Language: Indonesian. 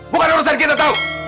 bukan urusan kita tau